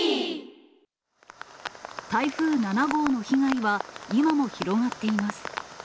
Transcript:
台風７号の被害は今も広がっています。